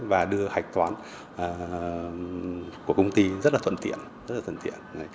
và đưa hạch toán của công ty rất là thuận tiện rất là thuận tiện